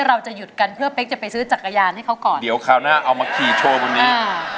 เราจะหยุดกันเพื่อเป๊กจะไปซื้อจักรยานให้เขาก่อนเดี๋ยวคราวหน้าเอามาขี่โชว์บนนี้อ่า